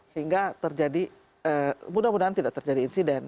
sehingga terjadi mudah mudahan tidak terjadi insiden